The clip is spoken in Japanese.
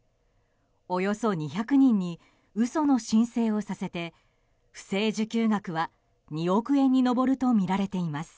およそ２００人に嘘の申請をさせて不正受給額は２億円に上るとみられています。